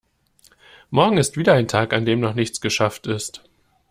Morgen ist wieder ein Tag an dem noch nichts geschafft ist.